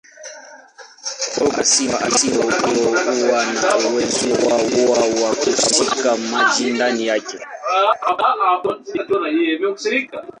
Udongo wa aina hiyo huwa na uwezo mkubwa wa kushika maji ndani yake.